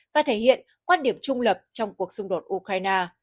và thể hiện quan điểm trung lập trong cuộc xung đột ukraine